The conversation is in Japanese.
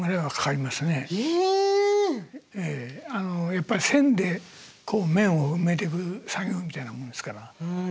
やっぱり線で面を埋めてく作業みたいなもんですから。